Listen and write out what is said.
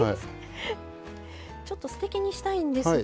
ちょっとすてきにしたいんですが。